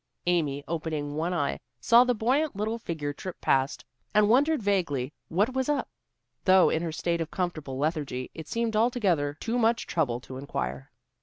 Amy opening one eye, saw the buoyant little figure trip past, and wondered vaguely what was up, though in her state of comfortable lethargy it seemed altogether too much trouble to inquire.